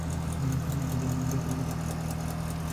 আমি জানি না, দক্ষিণ আমেরিকান কয়টি দেশ এখন পর্যন্ত শীর্ষ বাছাই।